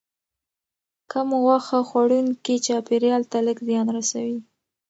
کم غوښه خوړونکي چاپیریال ته لږ زیان رسوي.